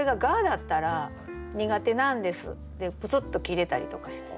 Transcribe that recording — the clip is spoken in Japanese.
だったら「苦手なんです」でプツッと切れたりとかして。